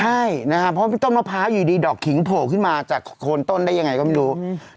ใช่นะครับเพราะพี่ต้นมะพร้าวอยู่ดีดอกขิงโผล่ขึ้นมาจากโคนต้นได้ยังไงก็ไม่รู้